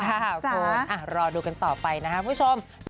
ครับผมรอดูกันต่อไปนะคะผู้ชม